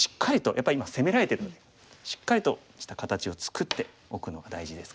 やっぱり今攻められてるのでしっかりとした形を作っておくのが大事ですかね。